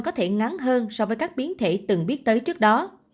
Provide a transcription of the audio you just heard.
có thể ngắn hơn so với các biến thể từng biết tới trước đó